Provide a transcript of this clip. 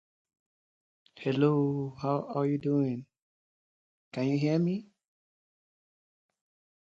Above the navigator's position was the forward gun turret.